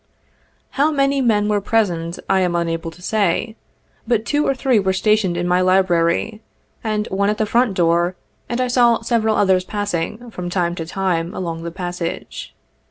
How many men were present, I am unable to say, but two or three were sta tioned in my library, and one at the front door, and I saw several others passing, from time to time, along the passage.